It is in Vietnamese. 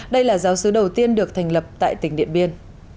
đây là giáo sứ đầu tiên được thành lập tại tỉnh điện biên